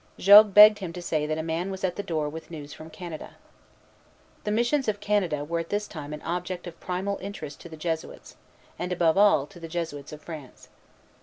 Jogues begged him to say that a man was at the door with news from Canada. The missions of Canada were at this time an object of primal interest to the Jesuits, and above all to the Jesuits of France.